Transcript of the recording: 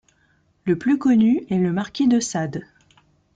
Le plus connu est le marquis de Sade.